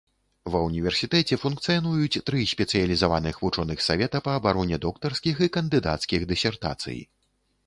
Ва ўніверсітэце функцыянуюць тры спецыялізаваных вучоных савета па абароне доктарскіх і кандыдацкіх дысертацый.